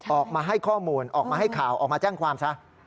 ออกมาให้ข้อมูลออกมาให้ข่าวออกมาแจ้งความซะ